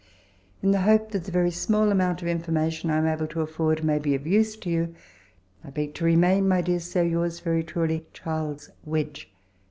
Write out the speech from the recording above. In the hope that the very small amount of information I am able to afford may be of use to you, I beg to remain, my dear Sir, Yours very truly, CHAS. WEDGE.